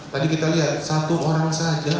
tadi kita lihat satu orang saja